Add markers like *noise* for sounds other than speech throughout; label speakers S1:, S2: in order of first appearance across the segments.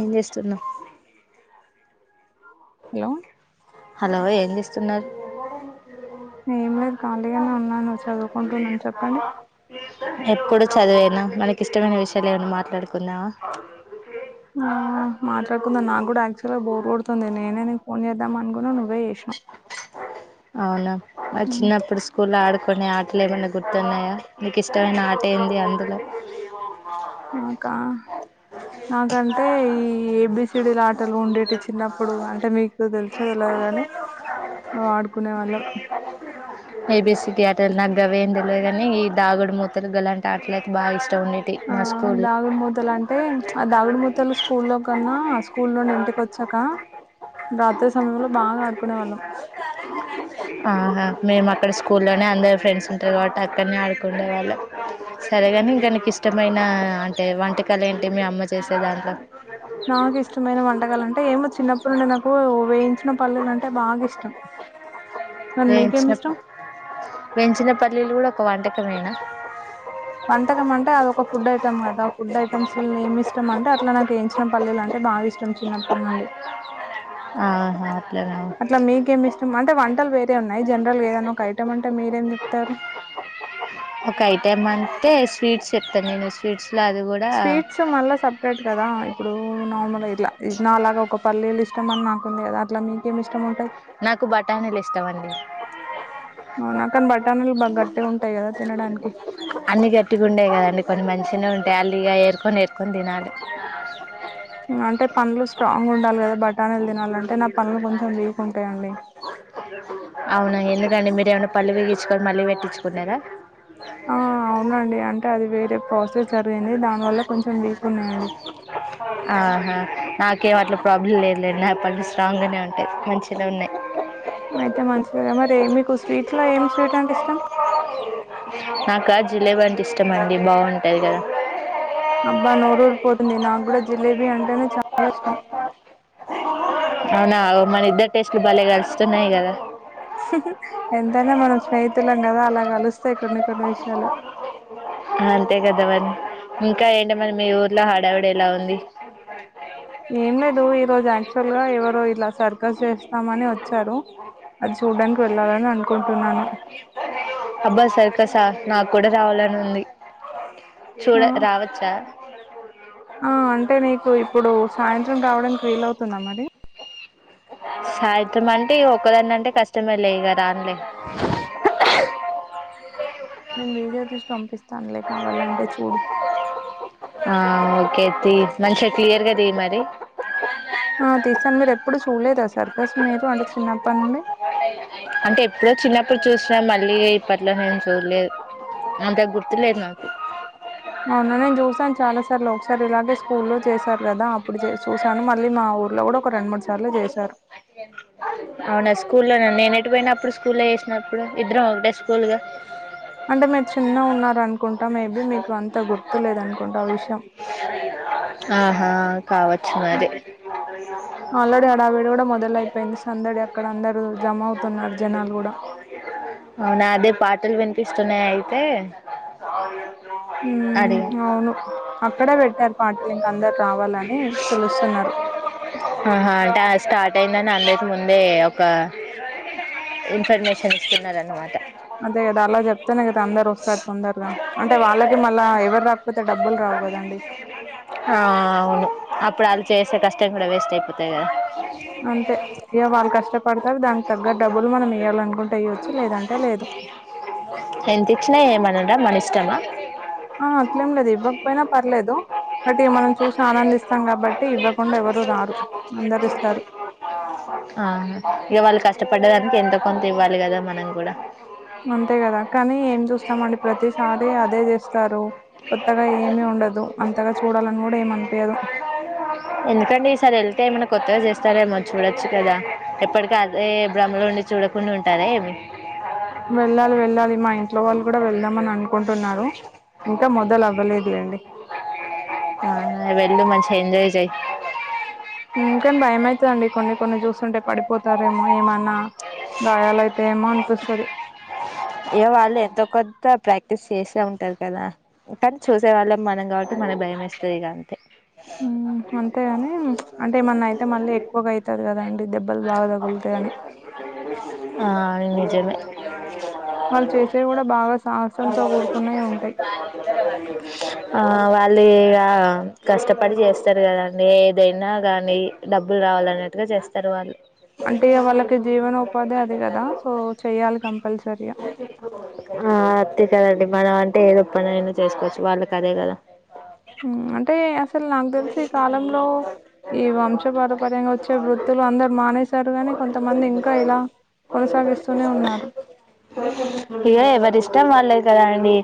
S1: ఏం చేస్తున్నవ్
S2: hello
S1: hello ఏం చేస్తున్నారు
S2: ఏం లేదు ఖాళీగానే ఉన్నాను చదువుకుంటున్నాను చెప్పండి
S1: ఎప్పుడు చదువేనా మనకి ఇష్టమైన విషయం పైన ఏం అన మాట్లా ఆ
S2: ఆ మాట్లాడుకుందాం నాకు కూడా యాక్చువల్ గా బోర్ కొడుతుంది నేనే నీక్ ఫోన్ చేద్దాం అనుకున్నా నువ్వే చేసిన్నవ్
S1: అవునా మరి చిన్నప్పుడు స్కూలో ఆడుకునే ఆటలు ఏమన్నా గుర్తున్నాయా నీకు ఇష్టమైన ఆట ఏంది అందులో
S2: నాకా నాకంటే ఈ ఏబిసిడీలా ఆటలు ఉండేటీ చిన్నప్పుడు అంటే నీకు తెలుసు ఎలా ఉందని నువు ఆడుకు
S1: ఏ బీసిడీ ఆటల్ నాగ్గవేందెలవద్దుగానీ ఈ దాగుడు మూతలు గలాంటి ఆటలు అయితే బాగా ఇష్టం ఉండేవి
S2: ఆ దాగుడుమూతలు అంటే ఆ దాగుడుమూతలు స్కూల్ లో కన్నా ఆ స్కూల్ నుండి ఇంటికి వచ్చా కా రాత్రి సమయంలో బాగా ఆడుకునే వాళ్ళం
S1: ఆ మేము అక్కడ స్కూల్లోనే అందరు ఫ్రెండ్స్ ఉంటారు కాబట్టి అక్కడనే ఆడి కుండ వాళ్ళ సరేగాని ఇంకా నీకిష్టమైన అంటే వంటకాలు ఏంటి మీ అమ్మ చేసే దాంట్లో
S2: నాకు ఇష్టమైన వంటకాలు అంటే ఏమో చిన్నప్పటి నుండి నాకు వేయించిన పల్లీలు అంటే బాగా ఇష్టం మరి మీకేమి ఇష్టం
S1: వేయించిన పల్లీలు కూడా ఒక వంటకమేనా
S2: వంటకం అంటే అది ఒక ఫుడ్ ఐటమ్ కదా ఫుడ్ ఐటమ్స్ లో ఏమి ఇష్టం అంటే అట్లా నాకు ఏంచిన పల్లెలు అంటే బాగా ఇష్ట మ్ చిన్నప్పటి నుండి
S1: ఆహా అట్లనా
S2: అట్లా మీకేమి ఇష్టం అంటే వంటలు వేరే ఉన్ నయ్ జనరల్గా ఏదనా ఒక ఐటమ్ అంటే మీరేం చెప్తారు
S1: ఒక ఐటెమ్ అంటే స్వీట్స్ చెప్
S2: స్వీట్స్ మళ్ళా సపరేట్ కదా ఇప్పుడు నార్మల్గా ఇట్లా నాలాగా ఒక పల్లీలు ఇష్టం అని నాకుంది గదా అట్లా మీకేమి ఇష్టం ఉం
S1: నాకు బఠానీలు ఇష్టమండి
S2: అవునా కానీ బఠానీలు బాగా గట్టిగా ఉంటాయి కదా తినడానికి
S1: అన్ని గట్టిగుండేయి కదండి కొన్ని మంచిగనే ఉంటయ్ అల్ ఇగా ఏరుకొని ఏరుకొని తినాలి
S2: అంటే పన్నులు స్ట్రాంగ్ ఉండాలి కదా బటానీలు తినాలంటే నా పన్నులు కొంచెం వీక్ ఉంటాయండి
S1: అవునా ఎందుకండి మీరేమనా పళ్ళు పీకిచ్చుకొని మళ్ళీ పెట్టించుకున్నారా
S2: ఆ అవునండి అంటే అది వేరే ప్రాసెస్ జరిగింది దానివల్ల కొంచెం వీక్ ఉన్నాయండి
S1: ఆహా నాకేం అట్లా ప్రాబ్లం లేదులేండి నా పళ్ళు స్ట్రాంగానే ఉంటాయి మంచి గనె ఉన్నయ్
S2: సరే మరి మీకు స్వీట్లో ఏమి స్వీట్ అంటే ఇష్టం
S1: నాకా జిలేబీ అంటే ఇష్టమండి బాగుం
S2: అబ్బా నోరూరి పోతు ది నాకు కూడా జిలేబీ అంటేనే చాలా ఇష్టం
S1: అవునా ఓ మన ఇద్దరి టేస్ట్లు బలె గలుస్తున్నయ్ కదా
S2: ఎంతైనా మనం స్నేహితులం కదా అలా కలుస్తాయి కొన్ని కొన్ని విషయాలు
S1: అంతే కదావే ఇంకా ఏంటి మరి మీ ఊర్లో హడవిడి ఎలా ఉంది
S2: ఏం లేదు ఈ రోజు యాక్చువల్ గా ఎవరో ఇలా సర్కస్ చేస్తామని వచ్చారు అది చూడ్డానికి వెళ్ళాలని అనుకుంటున్నాను
S1: అబ్బా సర్కసా నాకు కూడా రావాలని ఉంది చూడ
S2: ఆ,
S1: రావచ్చా
S2: ఆ అంటే నీకు ఇప్పుడు సాయంత్రం రావడానికి వీలవుతుందా మరి
S1: సాయంత్రం అంటే ఇగ ఒక్కదాన్నంటే కష్టమే లే ఇగ రాన్లే
S2: నేను వీడియో తీసి పంపిస్తాను లే కావాలంటే చూడు
S1: ఆ ఓకే తీ మంచిగ క్లియర్గా తీ మరి
S2: ఆ తీస్తాను మీరు ఎప్పుడు చూడలేదా సర్కస్ మీరు అంటే చిన్నప్పటి నుండి
S1: అంటే ఎప్పుడో చిన్నప్పుడు చూసినా మళ్ళీ ఇప్పట్లో నేను చూడలేదు అంత గుర్తులేదు నాకు
S2: అవునా నేను చూసాను చాలా సార్లు ఒకసారి ఇలాగే స్కూల్లో చేశారు కదా అప్పుడు చూసా చూసాను మళ్ళీ మా ఊర్లో కూడా ఒక రెండు మూడు సార్లు చేశారు
S1: అవునా స్కూల్లోన నేనెట్ పోయిన అప్పుడు స్కూల్లో చేసినప్పుడు ఇద్దరం ఒకటే స్కూల్గా
S2: అంటే మీరు చిన్నగ ఉన్నారు అనుకుంటా మేబీ మీకు అంత గుర్తు లేదనుకుంటా ఆ విషయం
S1: ఆహా కావచ్చు మరి
S2: ఆల్రెడి హడావిడి కూడా మొదలయిపోయింది సందడి అక్కడ అందరూ జమ అవుతున్నారు జనాలు కూడా
S1: అవునా అదే పాటలు వినిపిస్తున్నాయి అయితే
S2: హ్మ్
S1: అడిగా
S2: అవును అక్కడ పెట్ ర్ పాటలు ఇంక అందరు రావాలని పిలుస్తున్నారు
S1: ఆహా అంట స్టార్ట్ అయిందని అందక ముందే ఒక ఇన్ఫర్మేషన్ ఇస్స్తున్నారు అన్నమాట
S2: అదే కదా అలా చెప్తేనే కదా అందరు వస్తారు తొందరగా అంటే వాళ్ళకి మళ్ళా ఎవరు రాకపోతే డబ్బులు రావు కదండి
S1: ఆ అవును అప్పుడు వాళ్ళు చేసే కష్టం కూడా వేస్ట్ అయింది
S2: అంతే ఇగ వాళ కష్టం పడతారు దానికి తగ్గ డబ్బులు మనం ఇేయ్యాలనుకుంటే ఇయ్యొచ్చు లేదంటే లేదు
S1: ఎంత ఇచ్చినా ఏమనడా మన ఇష్టమా
S2: అట్లేం లేదు ఇవ్వకపోయినా పర్లేదు బట్టి మనం చూసి ఆనందిస్తాం కాబట్టి ఇవ్వకుండా ఎవరు రారు అందరిస్తారు
S1: ఆ ఇక వాళ్ళు కష్టపడదానికి ఎంత కొంత ఇవ్వాలి కదా మనం కూడా
S2: అంతే కదా కానీ ఏం చూస్త స్తామండి ప్రతిసారి అదే చేస్తారు కొత్తగా ఏమి ఉండదు అంతగా చూడాలని కూడా ఏమంట అనిపియదు
S1: చస్తారేమో చూడొచ్చు కదా ఎప్పటిక అదే భ్ర్మలో నుండి చూడకుండా ఉంటార ఏమి
S2: వెళ్ళాలి వెళ్ళాలి మా ఇంట్లో వాళ్ళు కూడా వెళ్దామని అనుకుంటున్నారు ఇంకా మొదలు అవ్వలేదు అండి
S1: ఆ వెళ్ళు మంచి ఎంజాయ్ చెయి
S2: ఇకాని భయం అవుతుందండి కొన్ని కొన్ని చూస్తుంటే పడిపోతారేమో ఏమన్నా గాయాలయితే ఏమో అనిపిస్తది
S1: ఇయో వాళ్ళు ఎంతో కొత్త ప్రాక్టీస్ చేసే ఉంటారు కదా కానీ చూసే వాళ్ళం మనం కాబట్టి మనకి భయం వేస్తది ఇక అంతే
S2: అంతేగాని అంటే ఏమన్నా అయితే మళ్ళీ ఎక్కువగా అయితారు కదండి దెబ్బలు బాగా తగులుతాయి అని
S1: ఆ నిజమే
S2: వాళ్ళు చేసేవి కూడా బాగా సాహసంతో కూడుకున్నవి ఉంటాయి
S1: ఆ వాళ్ళు ఇగ కష్టపడి చేస్తారు కదండి ఏదైనా కానీ డబ్బులు రావాలనీ అట్టుగా చేస్తారు వాళ్ళు
S2: అంటే వాళ్ళకి జీవనోపాధి అది కదా సో చెయాలి కంపల్సరియా
S1: ఆ అంతే కదండి మనం అంటే ఏదో ఒక పనినైనా చేసుకోవచ్చు వాళ్ళకి అదే కదా
S2: అంటే అసలు నాకు తెలిసి ఈ కాలంలో ఈ వంశపారపర్ంగా వచ్చే వృత్తులు అందరు మానేశారు గాని కొంతమంది ఇంకా ఇలా కొనసాగిస్తూనే ఉన్నారు
S1: ఇగో ఎవరి ఇష్టేం వాళ్ళది కదా అండి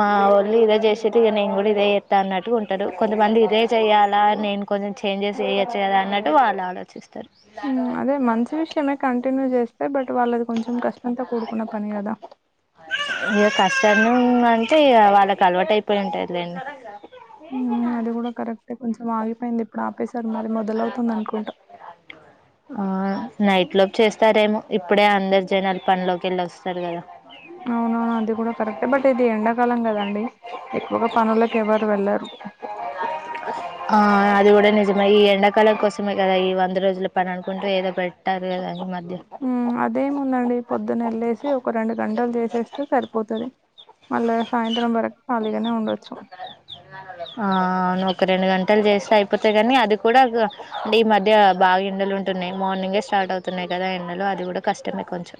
S1: మా ఒళ్ళు ఇదే చేసేది ఇక నేను కూడా ఇదే ఇస్తా అన్నట్టు ఉంటాడు కొంతమంది ఇదే చెయాలా నేను కొంచెం చేంజెస్ చేయచు కదా అన్నట్టు వాళ్ళు ఆలోచిస్తారు
S2: విషమే కంటిన్యూ చేస్తే బట్ వాళ్ళది కొంచెం కష్టంతో కూడుకున్న పని కద
S1: అ ఇగ కష్టము అంటే వాళ్ళకి అలవాటు అయిపోయి ఉంటాదిలేండి
S2: అది కూడా కరెక్టే కొంచెం ఆగి పోయింది ఇప్పుడు ఆపసారు మళ్ళీ మొదల అవుతుంది అనుకుంటాం
S1: ఆ నైట్ లోకి చేస్తారేమో ఇప్పుడే అందరు జనాలు పనిలోకి వెళ్ళి వస్తారు కదా
S2: అవునవును అది కూడా కరెక్ట్ బట్ ఇది ఎండాకాలం కదండి ఎక్కువగా పనులకు ఎవరు వెళ్లరు
S1: ఆ అది కు నిజమే ఈ ఎండాకాలం కోసమే కదా ఈ వంద రోజులు పని అనుకుంటూ ఏదో పెట్టారు కదా మ
S2: హ్మ్ అదేముందండి పొద్దునెళ్ళేసి ఒక రెండు గంటలు చేసేస్తే సరిపోతుంది మళ్ సాయంత్రం వరకు ఖాలీగానే ఉండచ్చు
S1: ఆ అవును ఒక రెండు గంటలు చేస్తే అయిపోతాయి కాని అది కూడా అంటే ఈ మధ్య బాగా ఎండలు ఉంటున్నాయి మార్నింగే స్టార్ట్ అవుతున్నాయి కదా ఎండలు అది కూడా కష్టమే కొంచెం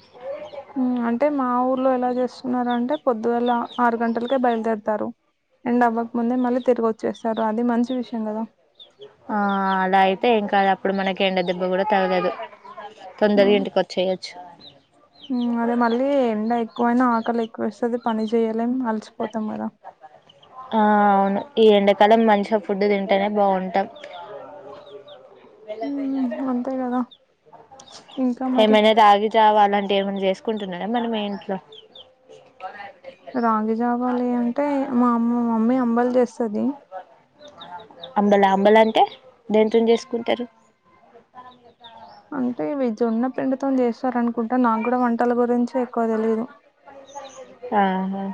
S2: అంటే మా ఊర్లో ఎలా చేస్తున్నార అంటే పొద్దువేల ఆరు గంటల బయలుదేరతారు అండ్ అవ్వక ముందే మళ్ళీ తిరిగి వచ్చేస్తారు అది మంచి విషయం కదా
S1: ఆ అలా అయితే ఏం కాదు అప్పుడు మనకి ఎండ దెబ్బ కూడా తగలేదు తొందర
S2: మ్మ్
S1: ఇంటికి వచ్చేయొచ్చు
S2: అదే మళ్ళీ ఎండ ఎక్కువైనా ఆకలి ఎక్కువ వస్తుంది పని చేయా
S1: ఆ అవును ఈ ఎండాకాలం మంచి ఫుడ్ తింటేనే బాగుంటాం
S2: మ్మ్ అంతే కదా ఇంకా మరి
S1: ఏ రాగి జావా అలా ఏమైనా చేసుకుంటున్నారా మన మీ ఇంట్లో
S2: రాగి జావాలి అంటే మా అమ్మ మమ్మీ అంబలి చేస్తుది
S1: అంబలా అంబలా అంటే దీంతోనే చేసుకుంటారు
S2: అంటే జొన్న పిండితో చేస్తారు అనుకుంటే నాకు కూడా వంట
S1: ఆహా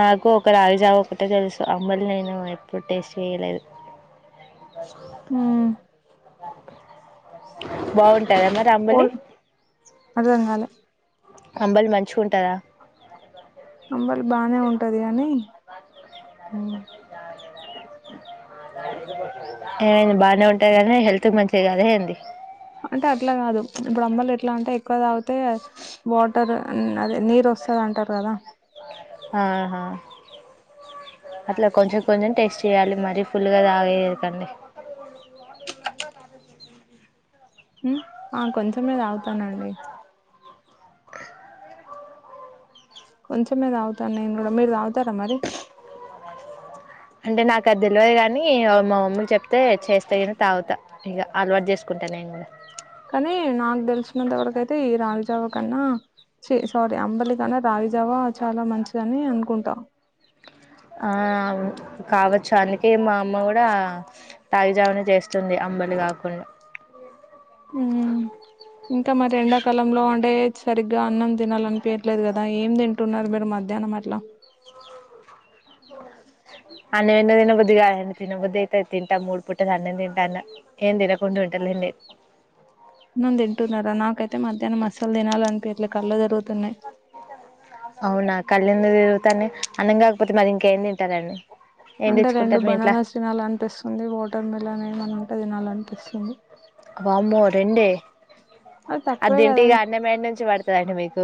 S1: నాకు ఒక రాగి జావా ఒకటే తెలుసు అంబలి నేను ఎప్పుడు టేస్ట్ చేయలేదు
S2: ఉ
S1: బాగుంటాదా అంబలి
S2: పోల్ అర్థం కాలే
S1: అంబలి మంచిగుంటదా
S2: అంబలి బాగానే ఉంటది కాని
S1: ఏమైంది బాగానే ఒంటరిగానే హెల్త్ మంచిదికాదే ఏంది
S2: అంటే అట్లా కాదు ఇప్పుడు అంబలే ఇట్లా అంటే ఎక్కువ తాగితే వాటర్ అదే నీరు వస్తుంది అంటారు కదా
S1: ఆహా అట్లా కొంచెం కొంచెం టేస్ట్ చేయాలి మరీ ఫుల్గా తాగేకండి ా కాద చే
S2: ఆ కొంచమే అగుతానండి కొంచెం తాగుతాను నేను కూడా మీరు తాగుతారా మరి
S1: అంటే నాకు అది తెలియదు కానీ మా మమ్మీ చెప్తే చేస్తా తాగుతా ఇక అలవాటు చేసుకుంటా నేను కూడా
S2: కానీ నాకు తెలిసినంతవరకైతే ఈ రాగి జావా కన్నా చి సారీ అంబలి రాగి జావా చాలా మంచిదని అనుకుంటా
S1: ఆ కావచ్చు అందుకే మా అమ్మ కూడా రాగి జావాని చేస్తుంది అంబలి కాకుండా
S2: ఇంకా మరి ఎండాకాలంలో అండే సరిగ్గా అన్నం తినాలనిపయట్లేదు కదా ఏం తింటున్నారు మీరు మధ్యాహ్నం అట్లా
S1: బ అన్న ఎన్న దిన బుదిగా తిన బుత తింటా మూడి పుట్టది అన్నెంద తింటా అన్న ఏం తినకుంటా అంటల
S2: అన్నం తింటున్నారా నాకైతే మధ్యాహ్న అసలు తినాలనిపిట్టలేదు కళ్ళు తిరుగుతుంది
S1: అవునా కళ్ళు తిరుగుతాని అన్నం కాకపోతే మరి ఇంకేం తింటారండి ఏం
S2: అంటే రెండు
S1: తెచ్చుకుంటారు మీ ఇంట్ల
S2: బనానాస్ తినాలనిపిస్తుంది వాటర్ మిల్ అని ఏమనా ఉంటే తినాలనిపిస్తుంది
S1: వామ్మో రెండే
S2: అది తక్కువే
S1: తింటే ఇగ
S2: కదండి
S1: అన్నం ఏడ నుంచి పడతదండి మీకు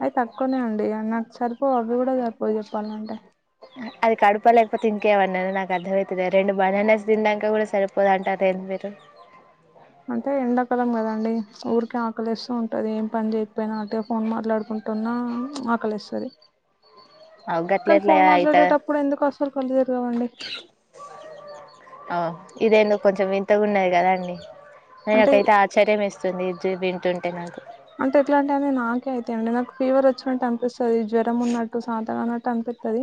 S2: అది తక్కువనే అండి నాకు సరిపో
S1: అది కడుప లేకపో ఇంకేమైనా నాకు అర్ధవై రెండు బనానాస్ తిండాక కూడా సరిపోదంటదే మీరు
S2: ఆకలిస్త ఉంటది ఏం పని చేయకపోయినా అంటే ఫోన్ మాట్లాడుకుంటున్నా ఆకలిస్తుంది
S1: అవు గట్ల
S2: కాని
S1: ఎట్ల
S2: ఫోన్
S1: అయితది
S2: మాట్లాడేటప్పుడు ఎందుకు వస్తు
S1: ఆ ఇదేదో కొంచెం వింతగా ఉంది కదా అండి అ
S2: అంటే
S1: నాకైతే ఆశచర్యం ఇస్తుంది ఈజో వింటుంటే నాకు
S2: అంటే ఎట్లా అంటే అనే నాకే అయితండి నాకు ఫీవర్ వచ్చినట్టు అనిపిస్తుంది జ్వరం ఉన్నట్టు శాంతగా అన్నట్టు అనిపిస్తుంది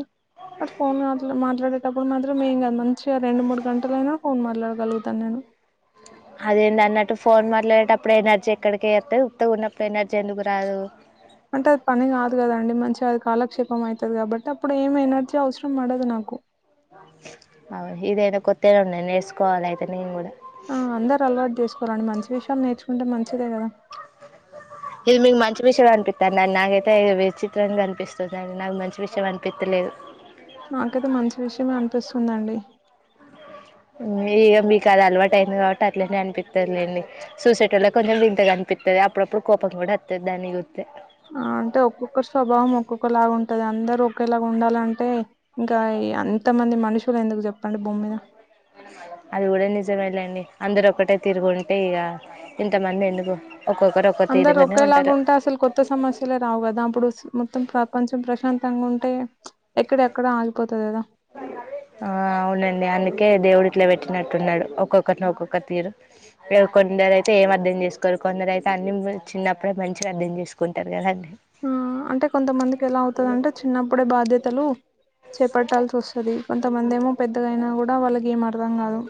S2: అరి ఫోన్ మాట్ మాట్లాడేటప్పుడు మాత్రంేయిం కాదదు మంచిగా రెండు మూడు గంటలయినా ఫోన్ మాట్లాడ గలుగుత నేను
S1: అదేంటి అన్నట్టు ఫోన్ మాట్లాడేటప్పుడు ఎనర్జీ ఎక్కడిక వస్తాయి ఉప్త ఉన్నప్పుడు ఎన ర్జీ ఎందుకు రాదు
S2: అంటే అది పని కాదు కదండి మంచిగా కాదు కాలక్షేపం అవుతుంది కాబట్టి అప్పుడు ఏం ఎనర్జీ అవసరం పడదు నాకు
S1: అవు ఇదైనా కొత్త్తేలో ఉన్నా నేర్చుకోవాలి అయితే నేను కూడ
S2: ఆ అందరు అలవాటు చేసుకోరండి మంచి విషయాలు నేర్చుకుంటే మంచిదే కదా
S1: *unintelligible* మంచి విషయం అనుపితా *unintelligible* విచిత్రంగా కనిపిస్తుంది అండి నాకు మంచి విషయం అనిపించలేదు
S2: నాకైతే మంచి విషయమే అనిపిస్తుందండి
S1: ఇక మీకు అది అలవాటు అయింది కాబట్టి అట్లనే అనిపి లేండి సూసేట్ వల్ల కొంచెం వింతగా కనిపిస్తుంది అప్పుడప్పుడు కోపం కూడా వస్తుంది దానికి గు
S2: అంటే ఒక్కొక్కరు స్వభావం ఒక్కొక్కలాగా ఉంటది అందరు ఒకేలాగా ఉండాలంటే ఇంకా అంత మంది మనుషులు ఎందుకు చెప్పండి భూమి మీద
S1: అది కూడా నిజమ వెళ్ళండి అందరు ఒకక్కటే తిరుగుంటే ఇగ ఇంతమంది ఎందుకు ఒక్కొక్కరు ఒక్క
S2: అందరు
S1: తీరుగానే
S2: ఒకేలాగా
S1: ఉంటారు
S2: ఉంటే అసలు కొత్త సమస్యలే రావు కదా అప్పుడు మొత్తం ప్రపంచం ప్రశాం తంగా ఉంటే ఎక్కడ ఎక్కడ ఆగిపోతుది కదా
S1: ఆ అవునండి అందుకే దేవుడి ఇట్లో పెట్టినట్టున్నాడు ఒక్కొక్కరిని ఒక్కొక్క తీరు కొందరు అయితే ఏం అర్థం చేసుకోరు కొందరు అయితే అన్ని చిన్నప్పుడే మంచిగా అర్థం చేసుకుంటారు కదాండి
S2: ఆ అంటే కొంతమందికి ఎలా అవుతుంది అంటే చిన్నప్పుడే బాధ్యతలు చేపట్టాల్సి వస్తుంది కొంతమంది ఏమో పెద్దగా అయినా కూడా వాళ్ళకి ఏం అర్థం కాదు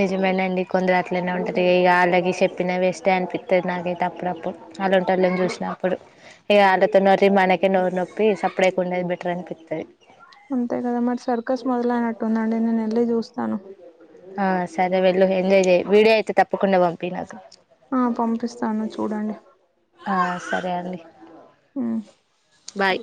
S1: నిజమేనండి కొందరు అట్లయినా ఉంటారు ఇక అలాగ చెప్పినా వేస్టే అనిపిస్తంది నాకతే అప్పుడప్పుడు వాళ్ళుంట వాళ్ళని చూసినప్పుడు ఇక వాళ్ళతో నరి మనకే నోరి నొప్పి సప్పుడేకు ఉండేది బెటర్ అనిపిస్తుంది
S2: అంత కదా మరి సర్కస్ మొదల అయినట్టుందండి నేను ఎలి దూస్తా
S1: ఆ సరే వెళ్ళు ఎంజయ వీడియో అయితే తప్పకుండా పంపి నాకు
S2: ఆ పంపిస్తాను చూడండి
S1: ఆ సరే అండి
S2: ఉమ్
S1: బయ్